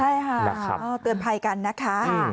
ใช่ค่ะเตือนภัยกันนะคะ